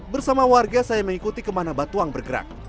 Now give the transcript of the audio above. bersama warga saya mengikuti kemana batuang bergerak